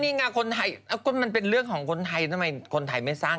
นี่ไงคนไทยมันเป็นเรื่องของคนไทยทำไมคนไทยไม่สร้าง